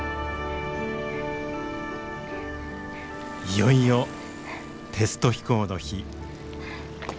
いよいよテスト飛行の日。